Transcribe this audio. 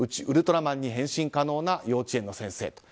ウルトラマンに変身可能な幼稚園の先生。